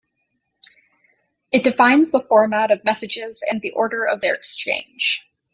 It defines the format of messages and the order of their exchange.